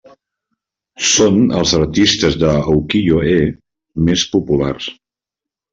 Són els artistes d'ukiyo-e més populars.